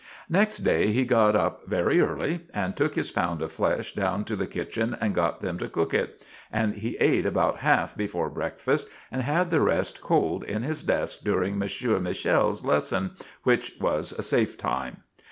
Next day he got up very early and took his pound of flesh down to the kitchen and got them to cook it; and he ate about half before breakfast and had the rest cold in his desk during Monsieur Michel's lesson, which was a safe time.